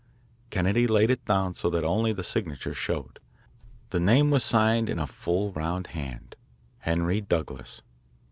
Kennedy laid it down so that only the signature showed. The name was signed in a full round hand, "Henry Douglas."